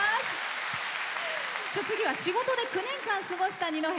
次は、仕事で９年間過ごした二戸。